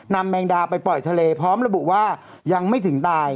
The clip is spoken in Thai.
แมงดาไปปล่อยทะเลพร้อมระบุว่ายังไม่ถึงตาย